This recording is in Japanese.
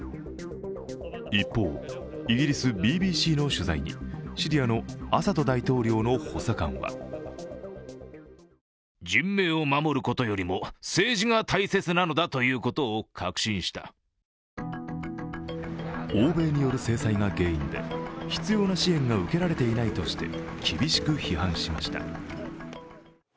一方、イギリスＢＢＣの取材にシリアのアサド大統領の補佐官は欧米による制裁が原因で必要な支援が受けられていないとして厳しく批判しました。